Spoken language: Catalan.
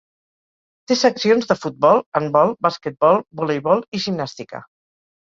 Té seccions de futbol, handbol, basquetbol, voleibol i gimnàstica.